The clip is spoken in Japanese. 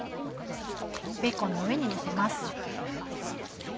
ベーコンの上にのせます。